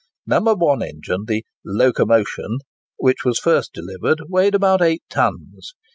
No. I. engine, the "Locomotion," which was first delivered, weighed about eight tons.